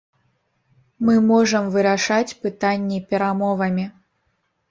Мы можам вырашаць пытанні перамовамі.